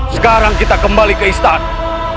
sekarang kita kembali ke istana